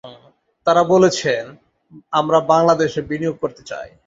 তারা বলেছেন, আমরা বাংলাদেশে বিনিয়োগ করতে চাই।